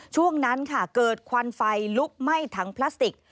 ช่วงนั้นค่ะเกิดควันไฟลุกไหม้ถังพลาสติก